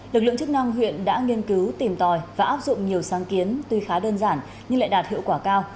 lực lượng chức năng huyện đã nghiên cứu tìm tòi và áp dụng nhiều sáng kiến tuy khá đơn giản nhưng lại đạt hiệu quả cao